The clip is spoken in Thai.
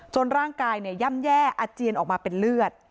จนร่างกายเนี่ยย่ำแย่อัจเจียนออกมาเป็นเลือด